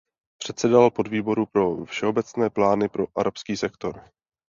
Předsedal podvýboru pro všeobecné plány pro arabský sektor.